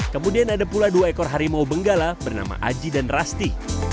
kemudian ada pula dua ekor harimau benggala bernama aji dan rasti